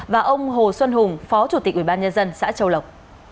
và ông hồ xuân hùng phó chủ tịch ubnd xã châu lộc